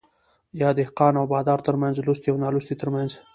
يا دهقان او بادار ترمنځ ،لوستي او نالوستي ترمنځ